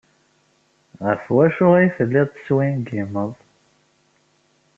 Ɣef wacu ay tellid teswingimed?